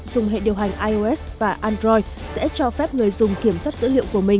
dùng hệ điều hành ios và android sẽ cho phép người dùng kiểm soát dữ liệu của mình